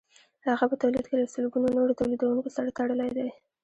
هغه په تولید کې له سلګونو نورو تولیدونکو سره تړلی دی